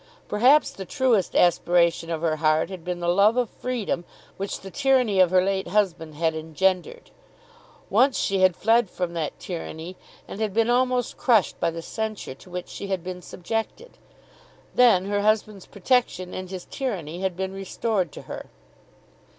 Perhaps the truest aspiration of her heart had been the love of freedom which the tyranny of her late husband had engendered. Once she had fled from that tyranny and had been almost crushed by the censure to which she had been subjected. Then her husband's protection and his tyranny had been restored to her.